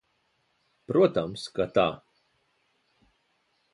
Protams, ka tā.